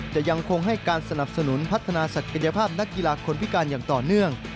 จะยังคงให้การสนับสนุนพัฒนาศักยภาพนักกีฬาคนพิการอย่างต่อเนื่อง